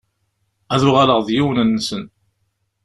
Ad uɣaleɣ d yiwen-nnsen.